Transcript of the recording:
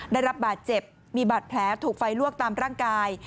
ได้รับบาดเจ็บมีบาดแผลถูกไฟลวกตามร่างกาย